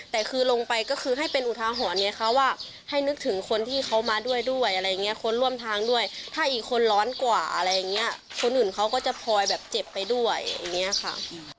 แต่คือลงไปก็คือให้เป็นอุทาหรณ์ไงคะว่าให้นึกถึงคนที่เขามาด้วยด้วยอะไรอย่างเงี้คนร่วมทางด้วยถ้าอีกคนร้อนกว่าอะไรอย่างเงี้ยคนอื่นเขาก็จะพลอยแบบเจ็บไปด้วยอย่างนี้ค่ะ